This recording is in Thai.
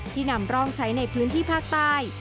นำร่องใช้ในพื้นที่ภาคใต้